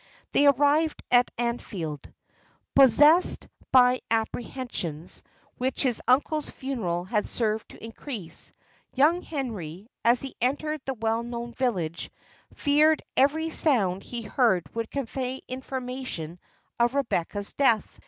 They arrived at Anfield. Possessed by apprehensions, which his uncle's funeral had served to increase, young Henry, as he entered the well known village, feared every sound he heard would convey information of Rebecca's death.